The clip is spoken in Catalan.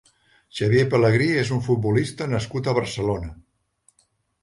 Xavier Pelegrí és un futbolista nascut a Barcelona.